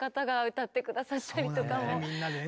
みんなでね